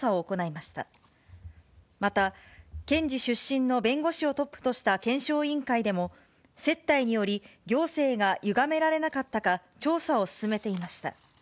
また、検事出身の弁護士をトップとした検証委員会でも、接待により行政がゆがめられなかったか、調査を進めていました。